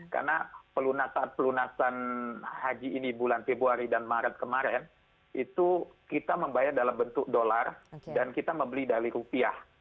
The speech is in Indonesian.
karena pelunasan haji ini bulan februari dan maret kemarin itu kita membayar dalam bentuk dolar dan kita membeli dari rupiah